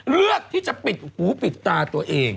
เลือกที่จะปิดปิดเอาหนูปิดตาตัวเอง